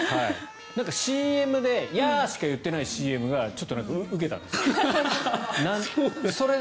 ＣＭでヤー！しかやっていないＣＭがちょっとウケたんですって。